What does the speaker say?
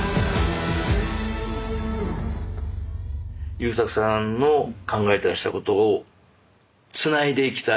優作さんの考えてらしたことをつないでいきたい。